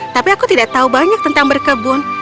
tapi aku tidak tahu banyak tentang berkebun